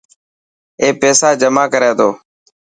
اي پيسا جمع ڪري تو.